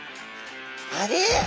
あれ？